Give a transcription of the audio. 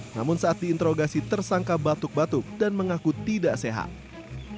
namun saat diinterogasi tersangka batuk batuk dan mengaku tidak sehat